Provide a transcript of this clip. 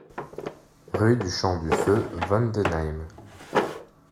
Rue du Champ du Feu, Vendenheim